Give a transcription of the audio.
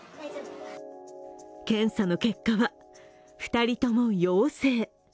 検査の結果は２人とも陽性。